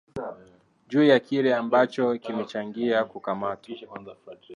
juu ya kile ambacho kimechangia kukamatwa